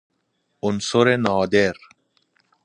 عنصر نادر